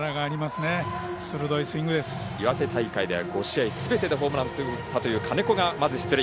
岩手大会では５試合すべてでホームランという金子がまず出塁。